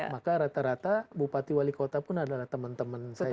maka rata rata bupati wali kota pun adalah teman teman saya